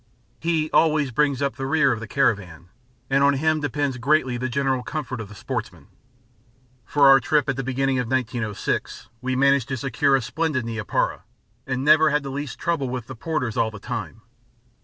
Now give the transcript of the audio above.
He always brings up the rear of the caravan, and on him depends greatly the general comfort of the sportsman. For our trip at the beginning of 1906, we managed to secure a splendid neapara, and never had the least trouble with the porters all the time.